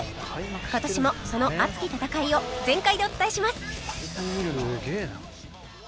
今年もその熱き戦いを全開でお伝えします！